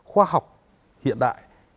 khoa học hiện đại